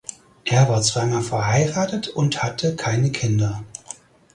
Er war zweimal verheiratet und hatte keine Kinder.